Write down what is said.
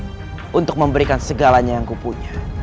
sangat begitu rela untuk memberikan segalanya yang kupunya